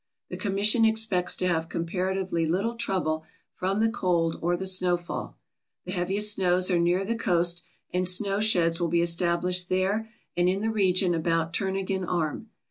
The Com mission expects to have comparatively little trouble from the cold or the snowfall. The heaviest snows are near the coast, and snow sheds will be established there and in the region about Turnagain Arm.